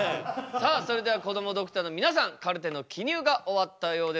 さあそれではこどもドクターの皆さんカルテの記入が終わったようです。